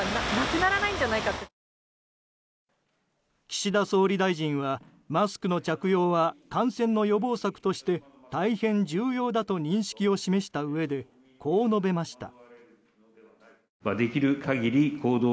岸田総理大臣はマスクの着用は感染の予防策として大変重要だと認識を示したうえでこう述べました。